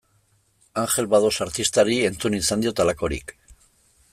Angel Bados artistari entzun izan diot halakorik.